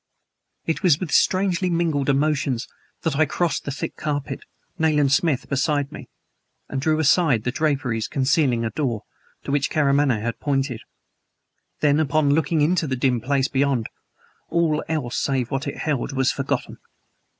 It was with strangely mingled emotions that I crossed the thick carpet, Nayland Smith beside me, and drew aside the draperies concealing a door, to which Karamaneh had pointed. Then, upon looking into the dim place beyond, all else save what it held was forgotten.